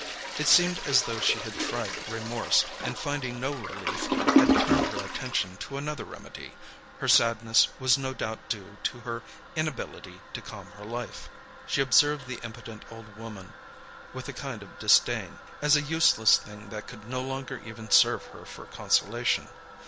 It seemed as though she had tried remorse, and finding no relief had turned her attention to another remedy. Her sadness was no doubt due to her inability to calm her life. She observed the impotent old woman with a kind of disdain, as a useless thing that could no longer even serve her for consolation.